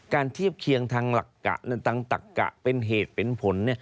การเทียบเคียงทางตักกะเป็นเหตุเป็นผล